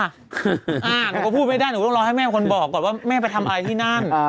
หนูก็พูดไม่ได้หนูต้องรอให้แม่เป็นคนบอกก่อนว่าแม่ไปทำอะไรที่นั่น